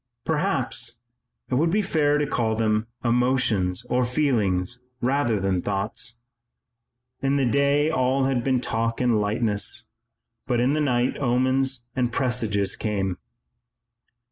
Perhaps it would be fairer to call them emotions or feelings rather than thoughts. In the day all had been talk and lightness, but in the night omens and presages came.